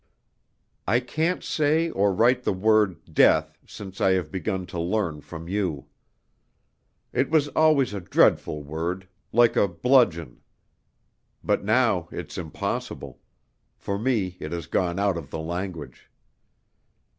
I can't say or write the word 'death,' since I have begun to learn from you. It was always a dreadful word, like a bludgeon. But now it's impossible. For me it has gone out of the language.